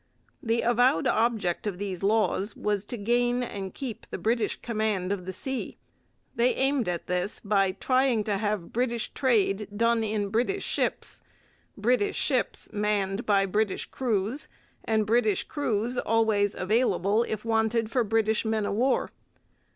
The avowed object of these laws was to gain and keep the British command of the sea. They aimed at this by trying to have British trade done in British ships, British ships manned by British crews, and British crews always available if wanted for British men of war.